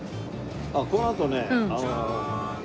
このあとねあの。